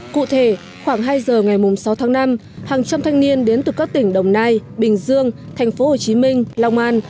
cụ thể khoảng hai giờ ngày sáu tháng năm hàng trăm thanh niên đến từ các tỉnh đồng nai bình dương thành phố hồ chí minh long an